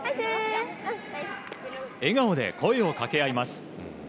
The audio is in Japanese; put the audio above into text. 笑顔で声をかけ合います。